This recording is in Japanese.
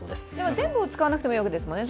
全部使わなくてもいいわけですよね。